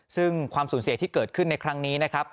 ซึ่งความสูญเสียที่เกิดขึ้นในครั้งนี้นะครับ